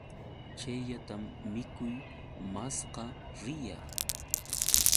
Chayllatam mikuy maskaa riyaa.